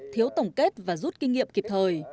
thiếu tổng kết và rút kinh nghiệm kịp thời